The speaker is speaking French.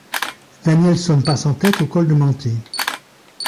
Danielson passe en tête au col de Menté.